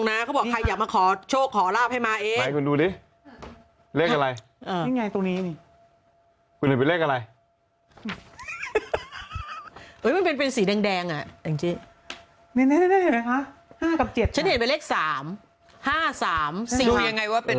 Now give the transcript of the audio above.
น้ำสี่เออผมก็เห็นอย่างนั้นแหละสี่ไม่ชัดแต่ห้าสี่เป็น